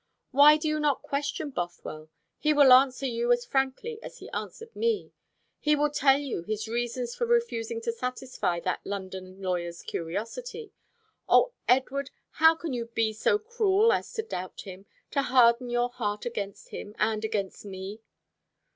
Why do you not question Bothwell? He will answer you as frankly as he answered me. He will tell you his reasons for refusing to satisfy that London lawyer's curiosity. O Edward, how can you be so cruel as to doubt him, to harden your heart against him and against me?"